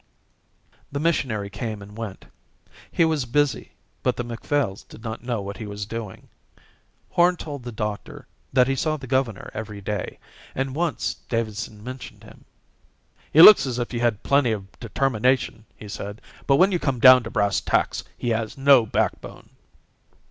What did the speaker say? The missionary came and went. He was busy, but the Macphails did not know what he was doing. Horn told the doctor that he saw the governor every day, and once Davidson mentioned him. "He looks as if he had plenty of determination," he said, "but when you come down to brass tacks he has no backbone."